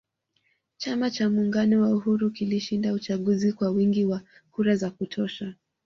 Chama cha muungano wa uhuru kilishinda uchaguzi kwa wingi wa kura za kutosha